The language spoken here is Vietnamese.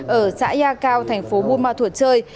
ở xã ea cao tp buôn ma thuột chơi